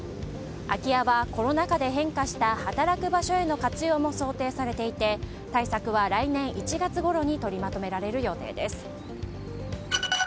空き家はコロナ禍で変化した働く場所への活用も想定されていて対策は来年１月ごろに取りまとめられる予定です。